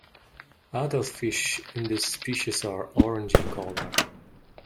Adult fish in this species are orange in color.